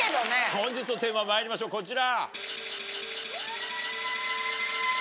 本日のテーマまいりましょうこちら。